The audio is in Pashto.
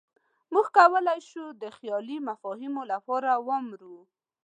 موږ کولی شو د خیالي مفاهیمو لپاره ومرو.